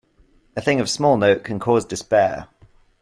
A thing of small note can cause despair.